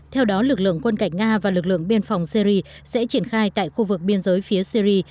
theo đó lực lượng quân cảnh nga và lực lượng biên phòng syri sẽ triển khai tại khu vực biên giới phía syri